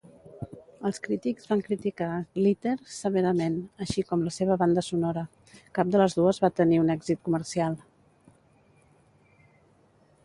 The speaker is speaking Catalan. Els crítics van criticar "Glitter" severament, així com la seva banda sonora; cap de les dues va tenir un èxit comercial.